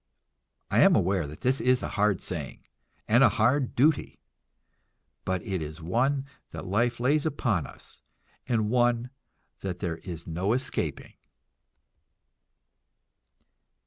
I am aware that this is a hard saying, and a hard duty, but it is one that life lays upon us, and one that there is no escaping.